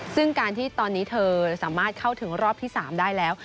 ซึ่งการที่ตอนนี้เธอสามารถเข้าถึงรอบที่๓ได้แล้ว